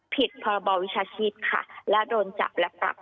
ผิดพรบวิชาชีพค่ะและโดนจับและปรับ